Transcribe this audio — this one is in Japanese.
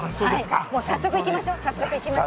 早速いきましょう。